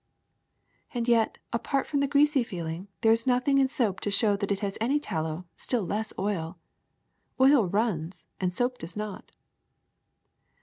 " '^And yet, apart from the greasy feeling, there is nothing in soap to show that it has any tallow, still less oil. Oil runs, and soap does not."